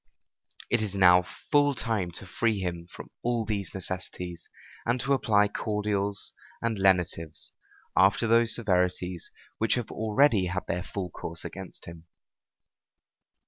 It is now full time to free him from all these necessities, and to apply cordials and lenitives, after those severities which have already had their full course against him.